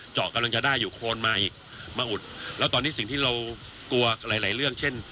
กำลังจะได้อยู่โคนมาอีกมาอุดแล้วตอนนี้สิ่งที่เรากลัวหลายหลายเรื่องเช่น